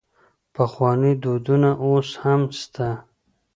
پخواني دودونه اوس هم سته.